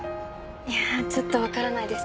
いやちょっとわからないです。